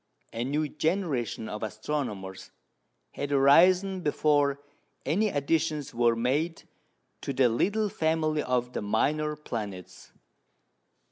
A new generation of astronomers had arisen before any additions were made to the little family of the minor planets.